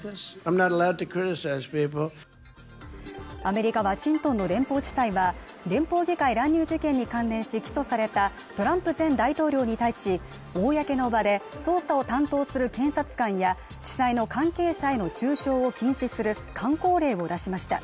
アメリカ・ワシントンの連邦地裁は連邦議会乱入事件に関連し起訴されたトランプ前大統領に対し公の場で捜査を担当する検察官や地裁の関係者への中傷を禁止するかん口令を出しました